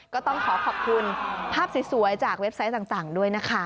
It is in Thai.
ก็ต้องขอขอบคุณภาพสวยจากเว็บไซต์ต่างด้วยนะคะ